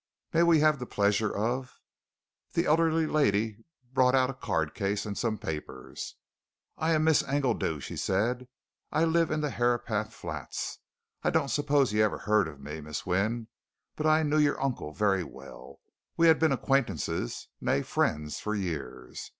"May we have the pleasure of " The elderly lady brought out a card case and some papers. "I am Mrs. Engledew," she said. "I live in the Herapath Flats. I don't suppose you ever heard of me, Miss Wynne, but I knew your uncle very well we had been acquaintances, nay, friends, for years.